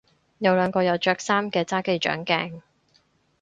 有兩個有着衫嘅揸機掌鏡